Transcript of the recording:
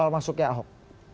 soal masuknya ahok